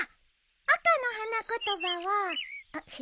赤の花言葉はあっ